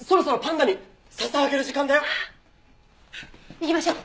行きましょう。